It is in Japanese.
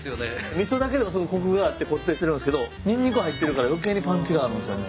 味噌だけでもすごいコクがあってこってりしてるんすけどニンニク入ってるから余計にパンチがあるんすよね。